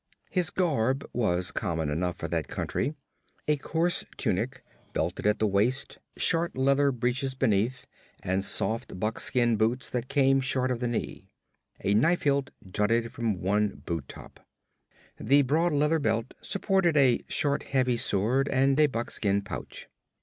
His garb was common enough for that country a coarse tunic, belted at the waist, short leather breeches beneath, and soft buckskin boots that came short of the knee. A knife hilt jutted from one boot top. The broad leather belt supported a short, heavy sword and a buckskin pouch.